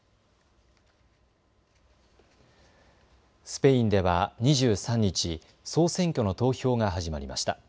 スペインでは２３日、総選挙の投票が始まりました。